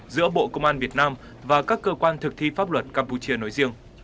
giữa bộ công an việt nam và các cơ quan thực thi pháp luật campuchia nói riêng